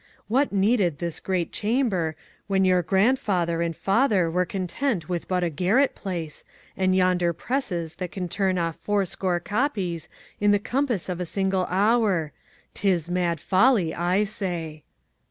What needed this great chamber when your grandfather and father were content with but a garret place, and yonder presses that can turn off four score copies in the compass of a single hour, 'Tis mad folly, I say."